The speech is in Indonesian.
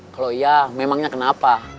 kalau iya memangnya kenapa